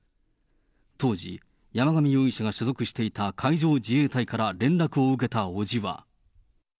当時、山上容疑者が所属していた海上自衛隊から連絡を受けた伯父は。